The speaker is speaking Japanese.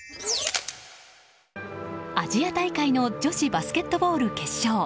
アジア大会の女子バスケットボール決勝。